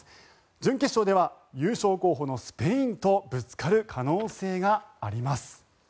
準決勝では優勝候補のスペインとぶつかる可能性があります。